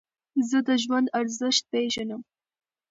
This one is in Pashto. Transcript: زه د ژوند ارزښت پېژنم.